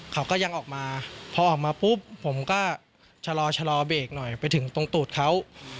เขาก็ยังออกมาพอออกมาปุ๊บผมก็ชะลอชะลอเบรกหน่อยไปถึงตรงตูดเขา